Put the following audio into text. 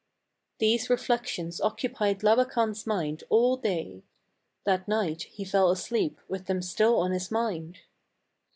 These reflections occupied Labakan's mind all day ; that night he fell asleep with them still on his mind.